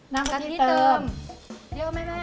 เยอะไหมอะ